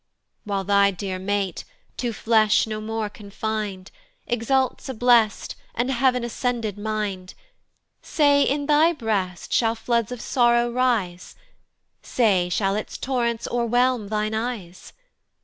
While thy dear mate, to flesh no more confin'd, Exults a blest, an heav'n ascended mind, Say in thy breast shall floods of sorrow rise? Say shall its torrents overwhelm thine eyes?